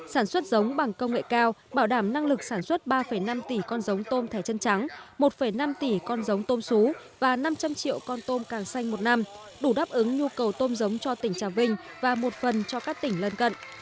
sản xuất giống bằng công nghệ cao bảo đảm năng lực sản xuất ba năm tỷ con giống tôm thẻ chân trắng một năm tỷ con giống tôm xú và năm trăm linh triệu con tôm càng xanh một năm đủ đáp ứng nhu cầu tôm giống cho tỉnh trà vinh và một phần cho các tỉnh lân cận